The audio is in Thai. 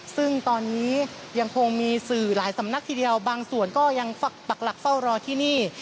ซึ่งตอนนี้ยังคงมีสื่อหลายสำนักทีเดียวบางส่วนก็ยังปักหลักเฝ้ารอที่นี่